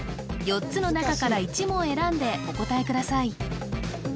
４つの中から１問選んでお答えください